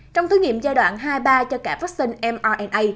trong thử nghiệm giai đoạn hai ba cho cả vaccine mrna